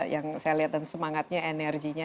yang saya lihat dan semangatnya energinya